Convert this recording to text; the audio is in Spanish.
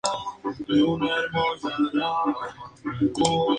Bede nos cuenta que Wilfrid permaneció fuera durante cierto tiempo tras su ordenación.